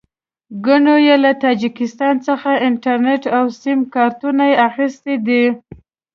ګڼو یې له تاجکستان څخه انټرنېټ او سیم کارټونه اخیستي دي.